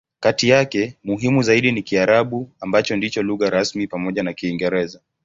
Kati yake, muhimu zaidi ni Kiarabu, ambacho ndicho lugha rasmi pamoja na Kiingereza.